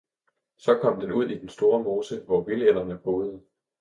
så kom den ud i den store mose, hvor vildænderne boede.